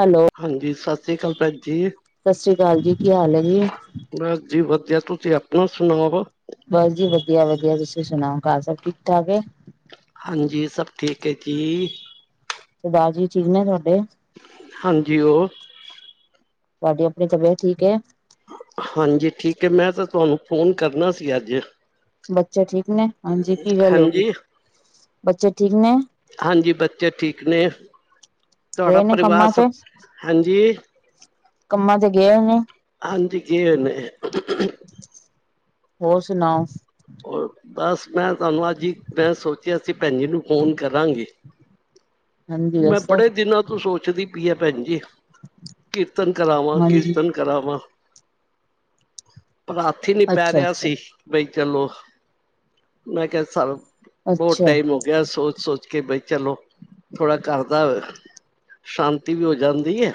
Hello ਹਾਂਜੀ ਸਤਿ ਸ੍ਰੀ ਅਕਾਲ ਭੈਣ ਜੀ ਸਤਿ ਸ੍ਰੀ ਅਕਾਲ ਜੀ ਕੀ ਹਾਲ ਹੈ ਜੀ ਬਸ ਜੀ ਵਧੀਆ ਤੁਸੀਂ ਆਪਣਾ ਸੁਣਾਵੋ ਬਸ ਜੀ ਵਧੀਆ ਵਧੀਆ ਤੁਸੀਂ ਸੁਣਾਓ ਘਰ ਸਭ ਠੀਕ ਠਾਕ ਹੈ। ਹਾਂਜੀ ਸਭ ਠੀਕ ਹੈ ਜੀ ਰਾਜੀ ਚਿੰਨਾ ਹੈ ਤੁਹਾਡੇ ਹਾਂਜੀ ਉਹ ਤੁਹਾਡੀ ਆਪਣੀ ਤਬੀਅਤ ਠੀਕ ਹੈ। ਹਾਂਜੀ ਠੀਕ ਹੈ ਮੈਂ ਤਾਂ ਤੁਹਾਨੂੰ ਫੋਨ ਕਰਨਾ ਸੀ ਅੱਜ ਬੱਚੇ ਠੀਕ ਨੇ ਹਾਂਜੀ ਕੀ ਗੱਲ ਹੋ ਗਈ ਹਾਂਜੀ ਬੱਚੇ ਠੀਕ ਨੇ ਹਾਂਜੀ ਬੱਚੇ ਠੀਕ ਨੇ ਤੁਹਾਡਾ ਗਏ ਨੇ ਪਰਿਵਾਰ ਕੰਮਾਂ ਸਭ ਤੇ ਹਾਂਜੀ ਕੰਮਾਂ ਤੇ ਗਏ ਹੋਏ ਨੇ ਆਂਦੀ ਜੀਆ ਨੇ ਹੋਰ ਸੁਣਾਓ ਹੋਰ ਬਸ ਮੈਂ ਤੁਹਾਨੂੰ ਅੱਜ ਹੀ ਮੈਂ ਸੋਚਿਆ ਅਸੀਂ ਭੈਣ ਨੂੰ ਫੋਨ ਕਰਾਂਗੀ [inaudible] ਮੈਂ ਦੱਸੋ ਬੜੇ ਦਿਨਾਂ ਤੋਂ ਸੋਚਦੀ ਪਈ ਹੈ ਭੈਣ ਜੀ ਕੀਰਤਨ ਕਰਾਵਾਂ ਹਾਂਜੀ ਕੀਰਤਨ ਕਰਾਵਾਂ ਪਰ ਹੱਥ ਹੀ ਨੀ ਪੈ ਅੱਛਾ ਰਿਹਾ ਅੱਛਾ ਸੀ ਬਈ ਚਲੋ ਮੈਂ ਕਿਹਾ ਸਰ ਬਹੁਤ ਅੱਛਾ ਟਾਈਮ ਹੋ ਸੋਚ ਸੋਚ ਕੇ ਬਈ ਚਲੋ ਥੋੜਾ ਕਰਦਾ ਵਾ ਸ਼ਾਂਤੀ ਵੀ ਹੋ ਜਾਂਦੀ ਹੈ।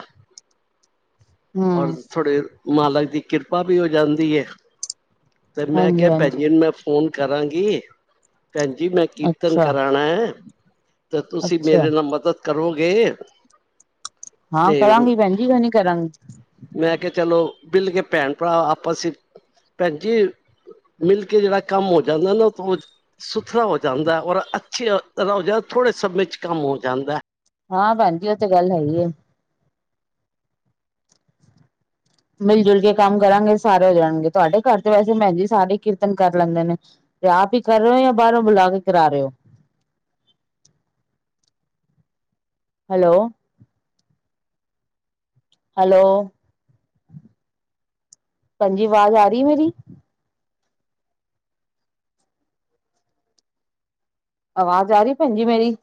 ਔਰ ਹਮ ਥੋੜੇ ਮਾਲਕ ਦੀ ਕਿਰਪਾ ਵੀ ਹੋ ਜਾਂਦੀ ਹੈ। ਤੇ ਮੈਂ ਹਾਂਜੀ ਕਿਹਾ ਭੈਣ ਹਾਂਜੀ ਜੀ ਨੂੰ ਇਨੂੰ ਫੋਨ ਕਰਾਂਗੀ ਭੈਣ ਜੀ ਮੈਂ ਕੀਰਤਨ ਅੱਛਾ ਕਰਾਉਣਾ ਹੈ ਤੇ ਤੁਸੀਂ ਅੱਛਾ ਮੇਰੇ ਨਾਲ ਮਦਦ ਕਰੋਗੇ ਹਾਂ ਤੇ ਕਰਾਂਗੀ ਭੈਣ ਜੀ ਕਿਉਂ ਨੀ ਕਰਾਂਗੀ ਮੈਂ ਕਿਹਾ ਚਲੋ ਬਿੱਲ ਕੇ ਭੈਣ ਭਰਾ ਆਪਸ ਭੈਣ ਜੀ ਮਿਲ ਕੇ ਜਿਹੜਾ ਕੰਮ ਹੋ ਜਾਂਦਾ ਨਾ ਬਹੁਤ ਸੁਥਰਾ ਹੋ ਜਾਂਦਾ ਔਰ ਅੱਛੇ ਹੋ ਜਾਂ ਥੋੜੇ ਸਮੇਂ ਚ ਕੰਮ ਹੋ ਜਾਂਦਾ ਹੈ। ਹਾਂ ਭੈਣ ਜੀ ਉਹ ਤੇ ਗੱਲ ਹੈ ਹੀ ਹੈ। ਮਿਲ ਜੁਲ ਕੇ ਕੰਮ ਕਰਾਂਗੇ ਸਾਰੇ ਹੋ ਜਾਣਗੇ ਤੁਹਾਡੇ ਘਰ ਤੇ ਵੈਸੇ ਭੈਣ ਜੀ ਸਾਰੇ ਕੀਰਤਨ ਕਰ ਲੈਂਦੇ ਨੇ ਤੇ ਆਪ ਹੀ ਕਰ ਰਹੇ ਹੋ ਜਾਂ ਬਾਹਰੋਂ ਬੁਲਾ ਕੇ ਕਰਾ ਰਹੇ ਹੋ ਹੈਲੋ ਹੈਲੋ ਹਾਂਜੀ ਆਵਾਜ਼ ਆ ਰਹੀ ਮੇਰੀ ਆਵਾਜ਼ ਆ ਰਹੀ ਭੈਣ ਜੀ ਮੇਰੀ